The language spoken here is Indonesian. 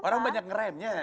orang banyak ngeramnya